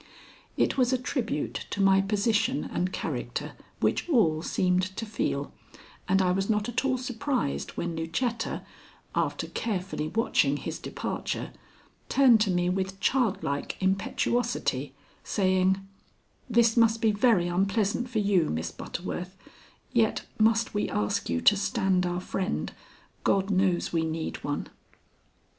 It was a tribute to my position and character which all seemed to feel, and I was not at all surprised when Lucetta, after carefully watching his departure, turned to me with childlike impetuosity, saying: "This must be very unpleasant for you, Miss Butterworth, yet must we ask you to stand our friend. God knows we need one."